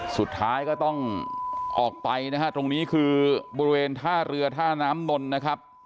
สุดท้ายก็ต้องออกไปนะฮะตรงนี้คือบริเวณท่าเรือท่าน้ำนนนะครับ